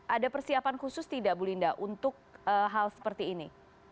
ada persiapan khusus tidak bu linda untuk hal seperti ini